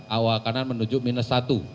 awal kanan menuju minus satu